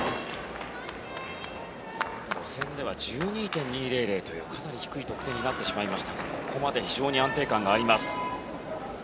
予選では１２．２００というかなり低い得点でしたがここまで非常に安定感があります。